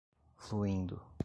fluindo